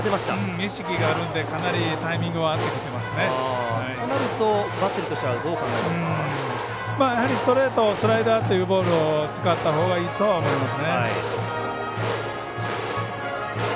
意識があるのでかなりタイミングをバッテリーとしてはストレートスライダーというボールを使ったほうがいいとは思います。